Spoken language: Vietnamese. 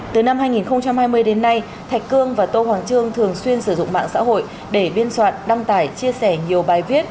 từ năm hai nghìn hai mươi đến nay thạch cương và tô hoàng trương thường xuyên sử dụng mạng xã hội để biên soạn đăng tải chia sẻ nhiều bài viết